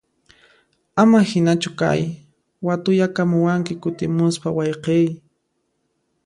Ama hinachu kay, watuyakamuwanki kutimuspa wayqiy!